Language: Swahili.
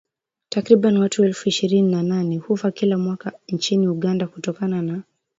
Takriban watu elfu ishirini na nane hufa kila mwaka nchini Uganda kutokana na